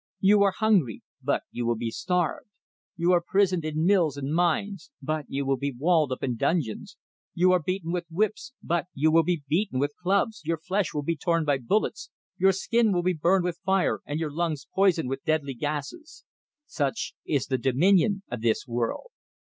You are hungry, but you will be starved; you are prisoned in mills and mines, but you will be walled up in dungeons; you are beaten with whips, but you will be beaten with clubs, your flesh will be torn by bullets, your skin will be burned with fire and your lungs poisoned with deadly gases such is the dominion of this world.